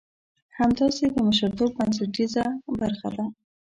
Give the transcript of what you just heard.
همداسې د مشرتوب بنسټيزه برخه ده.